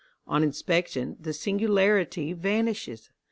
On inspection the singularity vanishes.